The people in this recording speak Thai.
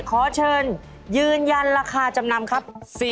ขอเชิญยืนยันราคาจำนำครับ